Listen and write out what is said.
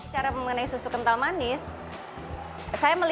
cara mengenai susu kental manis